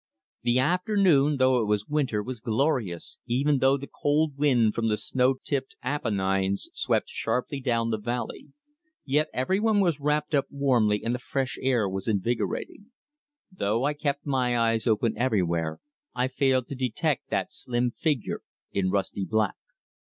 The afternoon, though it was winter, was glorious, even though the cold wind from the snow tipped Apennines swept sharply down the valley. Yet everyone was wrapped up warmly, and the fresh air was invigorating. Though I kept my eyes open everywhere, I failed to detect that slim figure in rusty black.